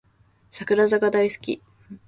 櫻坂大好き